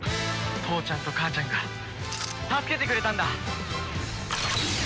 父ちゃんと母ちゃんが助けてくれたんだ。